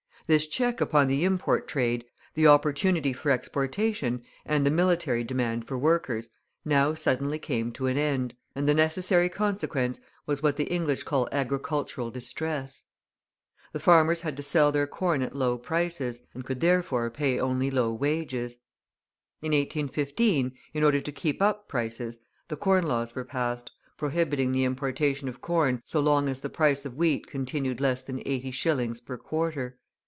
This check upon the import trade, the opportunity for exportation, and the military demand for workers, now suddenly came to an end; and the necessary consequence was what the English call agricultural distress. The farmers had to sell their corn at low prices, and could, therefore, pay only low wages. In 1815, in order to keep up prices, the Corn Laws were passed, prohibiting the importation of corn so long as the price of wheat continued less than 80 shillings per quarter.